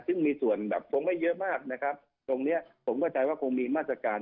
ซึ่งมีส่วนแบบคงไม่เยอะมากนะครับตรงเนี้ยผมเข้าใจว่าคงมีมาตรการ